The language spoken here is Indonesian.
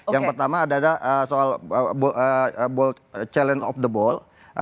yang pertama adalah soal challenge of the boll